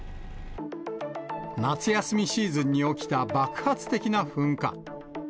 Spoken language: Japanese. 夏休みシーズンに起きた爆発的な噴火。